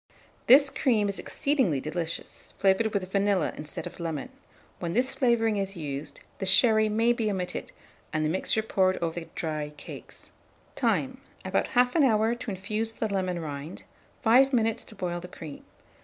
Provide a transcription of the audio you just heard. This cream is exceedingly delicious, flavoured with vanilla instead of lemon: when this flavouring is used, the sherry may be omitted, and the mixture poured over the dry cakes. Time. About 1/2 hour to infuse the lemon rind; 5 minutes to boil the cream.